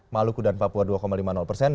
maluku dan papua dua lima puluh persen